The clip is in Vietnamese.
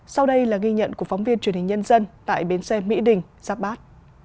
sau đây là ghi nhận của phóng viên truyền hình nhân dân tại bến xe mỹ đình giáp bát